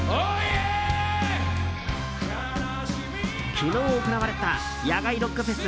昨日行われた野外ロックフェス